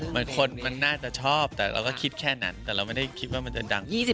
คนมันน่าจะชอบแต่เราก็คิดแค่นั้นแต่เราไม่ได้คิดว่ามันจะดัง